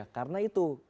ya karena itu